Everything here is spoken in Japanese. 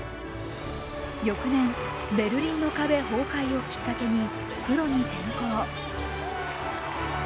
翌年ベルリンの壁崩壊をきっかけにプロに転向。